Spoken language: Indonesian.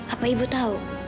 apa ibu tau